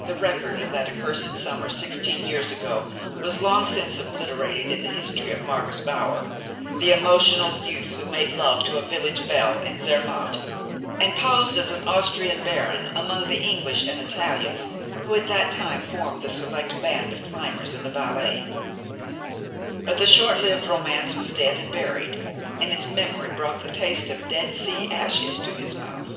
The record of that accursed summer sixteen years ago was long since obliterated in the history of Marcus Bauer, the emotional youth who made love to a village belle in Zermatt, and posed as an Austrian baron among the English and Italians who at that time formed the select band of climbers in the Valais. But the short lived romance was dead and buried, and its memory brought the taste of Dead Sea ashes to the mouth.